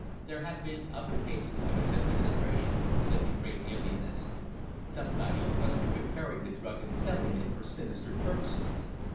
"There have been other cases of its administration," said the great alienist. "Somebody must be preparing the drug and selling it for sinister purposes.